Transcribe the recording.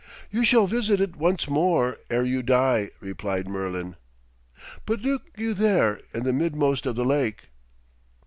'You shall visit it once more ere you die!' replied Merlin. 'But look you there in the midmost of the lake.'